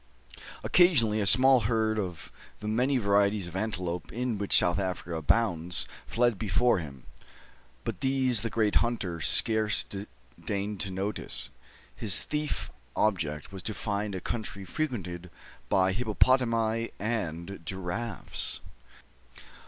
Occasionally, a small herd of some of the many varieties of antelopes in which South Africa abounds fled before him; but these the great hunter scarce deigned to notice. His thief object was to find a country frequented by hippopotami and giraffes.